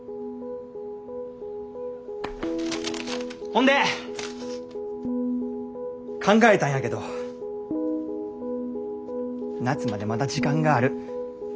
ほんで考えたんやけど夏までまだ時間がある。